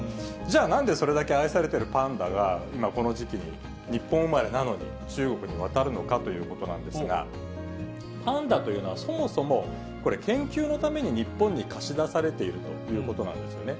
じゃあ、それだけ愛されてるパンダが、今、この時期に日本生まれなのに、中国に渡るのかということなんですが、パンダというのは、そもそもこれ、研究のために日本に貸し出されているということなんですよね。